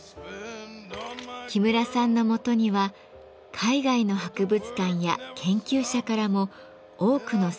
木村さんのもとには海外の博物館や研究者からも多くの作画依頼が届きます。